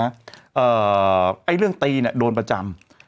ไอ้เรื่องตีเนี่ยโดนประจำ